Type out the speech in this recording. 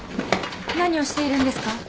何をしているんですか？